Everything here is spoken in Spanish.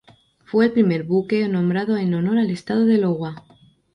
Fue el primer buque nombrado en honor al estado de Iowa.